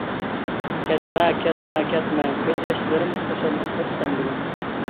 كەتمە كەتمە كەتمە كۆز ياشلىرىم خۇشاللىقتۇر سەن بىلەن.